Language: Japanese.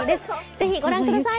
ぜひご覧ください。